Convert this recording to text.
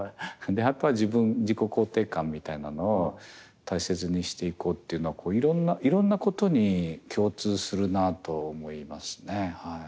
あとは自己肯定感みたいなのを大切にしていこうっていうのはいろんなことに共通するなと思いますね。